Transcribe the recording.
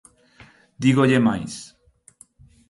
Dígolle máis.